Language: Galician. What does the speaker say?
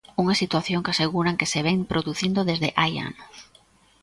Unha situación que aseguran que se vén producindo desde hai anos.